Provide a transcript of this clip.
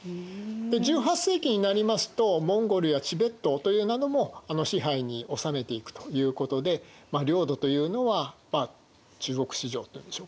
１８世紀になりますとモンゴルやチベットというようなのも支配に治めていくということで領土というのは中国史上というんでしょうかね